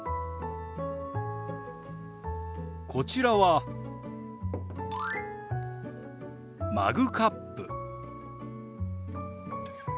こちらはマグカップ。